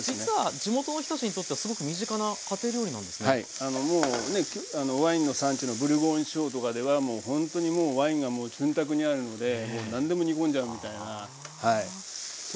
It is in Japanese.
あのもうねワインの産地のブルゴーニュ地方とかではもうほんとにもうワインが潤沢にあるので何でも煮込んじゃうみたいなはい。